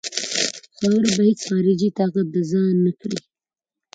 خاوره به هیڅ خارجي طاقت د ځان نه کړي.